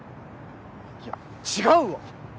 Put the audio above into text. いや違うわ！